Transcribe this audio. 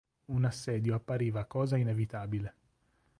Un assedio appariva cosa inevitabile.